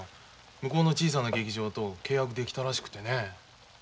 向こうの小さな劇場と契約できたらしくてね。